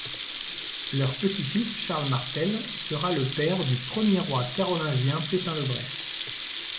Leur petit-fils Charles Martel sera le père du premier roi carolingien Pépin le Bref.